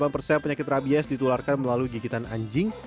delapan persen penyakit rabies ditularkan melalui gigitan anjing